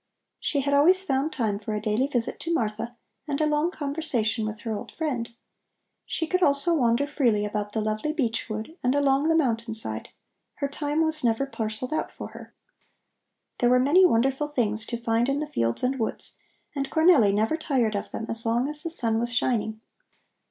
She had always found time for a daily visit to Martha and a long conversation with her old friend. She could also wander freely about the lovely beech wood and along the mountain side. Her time was never parcelled out for her. There were many wonderful things to find in the fields and woods, and Cornelli never tired of them as long as the sun was shining.